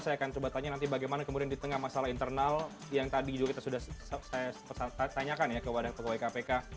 saya akan coba tanya nanti bagaimana kemudian di tengah masalah internal yang tadi juga kita sudah saya tanyakan ya ke wadah pegawai kpk